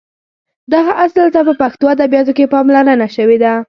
دغه اصل ته په پښتو ادبیاتو کې پاملرنه شوې ده.